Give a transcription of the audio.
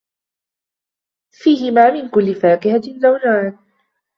فِيهِمَا مِنْ كُلِّ فَاكِهَةٍ زَوْجَانِ